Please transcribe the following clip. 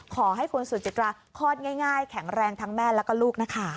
ขอให้คุณสุจิตราคลอดง่ายแข็งแรงทั้งแม่แล้วก็ลูกนะคะ